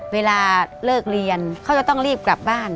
เวลาเลิกเรียนเขาจะต้องรีบกลับบ้าน